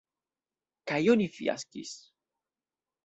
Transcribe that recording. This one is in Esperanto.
Kaj oni fiaskis.